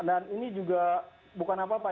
dan ini juga bukan apa apa